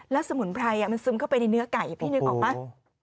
แล้วสมุนไพรมันซึมเข้าไปในเนื้อไก่พี่นึกออกไหม